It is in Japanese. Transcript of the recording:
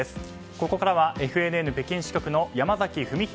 ここからはＦＮＮ北京支局の山崎文博